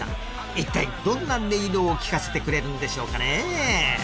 一体どんな音色を聞かせてくれるんでしょうかね？